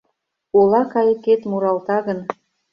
Ола кайыкет муралта гын